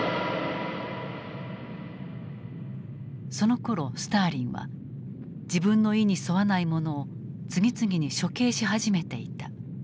そのころスターリンは自分の意に沿わない者を次々に処刑し始めていた。